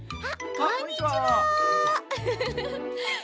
こんにちは。